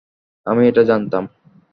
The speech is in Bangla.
আমি এটা জানতাম!